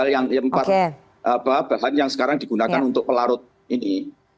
yang empat bahan yang sekarang digunakan untuk pelarut ini